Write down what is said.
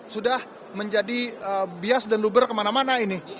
sudah menjadi bias dan luber kemana mana ini